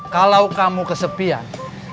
kalau kamu kesepian